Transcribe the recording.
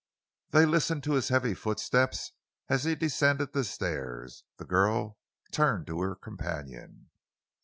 They listened to his heavy footsteps as he descended the stairs. Then the girl turned to her companion.